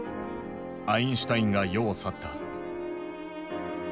アインシュタインが世を去った。